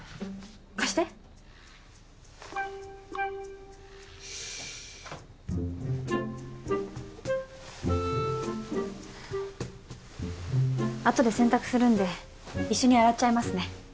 貸してあとで洗濯するんで一緒に洗っちゃいますね